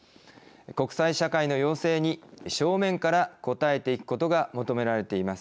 国際社会の要請に正面から答えていくことが求められています。